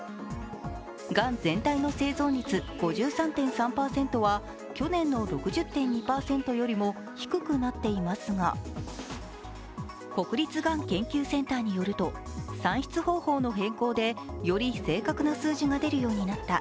がん全体の生存率、５３．３％は去年の６０．２％よりも低くなっていますが国立がん研究センターによると算出方法の変更でより正確な数字が出るようになった。